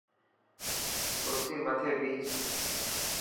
ڪرسي مٿي ڀيچ.